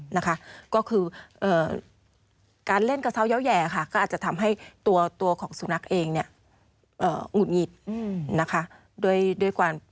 ภาพภาพภาพภาพภาพภาพภาพภาพภาพภาพภาพภาพ